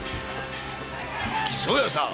木曽屋さん！